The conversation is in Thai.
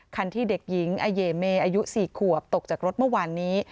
คันที่เด็กหญิงอเยเมอายุ๔ขวบตกจากรถเมื่อวานนี้